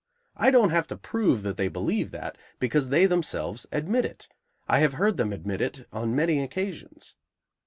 I don't have to prove that they believe that, because they themselves admit it. I have heard them admit it on many occasions.